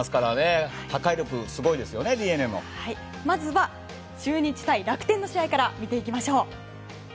まずは中日対楽天の試合から見ていきましょう。